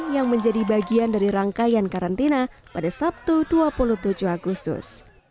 yang menjadi bagian dari rangkaian karantina pada sabtu dua puluh tujuh agustus